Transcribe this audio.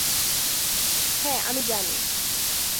হ্যাঁ, আমি জানি।